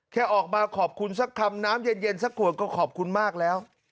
แค่ออกมาขอบคุณสักคำน้ำเย็นสักขวดก็ขอบคุณมากแล้ว